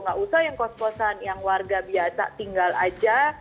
nggak usah yang kos kosan yang warga biasa tinggal aja